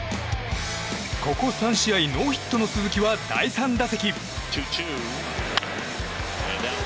ここ３試合ノーヒットの鈴木は第３打席。